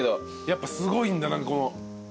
やっぱすごいんだ。